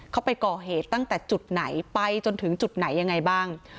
เขาไปก่อเหตุตั้งแต่จุดไหนไปจนถึงจุดไหนยังไงบ้าง